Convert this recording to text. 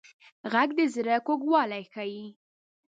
غږ د زړه کوږوالی ښيي